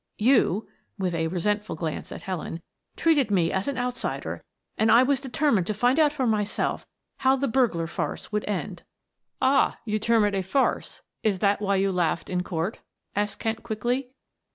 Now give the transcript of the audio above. You," with a resentful glance at Helen, "treated me as an outsider, and I was determined to find out for myself how the burglar farce would end." "Ah, you term it a farce is that why you laughed in court?" asked Kent quickly.